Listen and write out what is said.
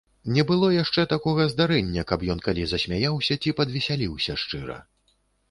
Не было яшчэ гэтакага здарэння, каб ён калі засмяяўся ці падвесяліўся шчыра.